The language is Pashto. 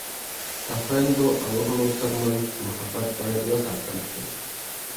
د خویندو او ورونو ترمنځ محبت باید وساتل شي.